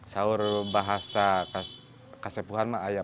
namun bagi orang pasen burung tur curse